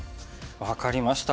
分かりました。